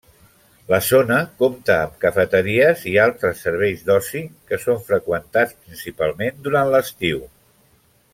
La zona compta amb cafeteries i altres serveis d'oci que són freqüentats principalment durant l'estiu.